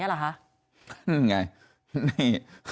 เนี้ยเหรอฮะอืมไงนี่